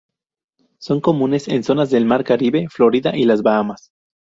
Son comunes en zonas del mar Caribe, Florida y las Bahamas.